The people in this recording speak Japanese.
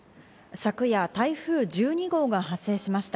昨夜、台風１２号が発生しました。